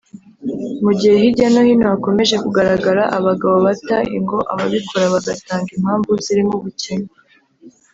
Mu gihe hirya no hino hakomeje kugaragara abagabo bata ingo ababikora bagatanga impamvu zirimo ubukene